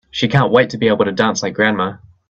She can't wait to be able to dance like grandma!